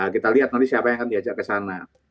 kita lihat nanti siapa yang akan diajak ke sana